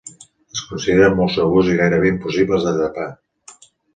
Es consideren molt segurs i gairebé impossibles d'atrapar.